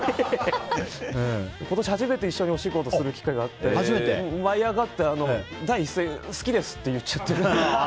今年初めて一緒にお仕事をする機会があって舞い上がって、第一声好きですって言っちゃって。